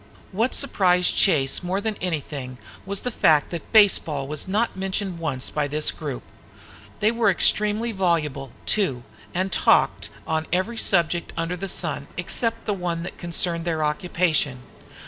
What surprised Chase more than anything was the fact that baseball was not once mentioned by this group. They were extremely voluble, too, and talked on every subject under the sun except the one that concerned their occupation.